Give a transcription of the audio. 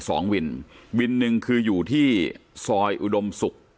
สองวินวินหนึ่งคืออยู่ที่ซอยอุดมศุกร์